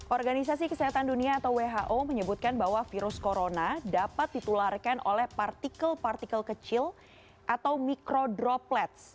organisasi kesehatan dunia atau who menyebutkan bahwa virus corona dapat ditularkan oleh partikel partikel kecil atau mikrodroplets